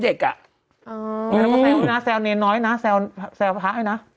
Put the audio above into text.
แล้วก็แซวน้อยแซวเนรน้อยนะแซวพระไอ้นะ